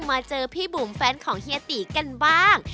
มาเจอพี่บุ๋มแฟนของเฮียตีกันบ้าง